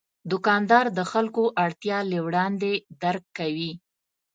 دوکاندار د خلکو اړتیا له وړاندې درک کوي.